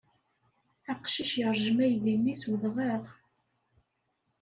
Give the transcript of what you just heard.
Aqcic yeṛjem aydi-nni s udɣaɣ.